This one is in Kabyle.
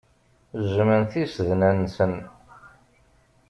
Jjmen tisednan-nsen.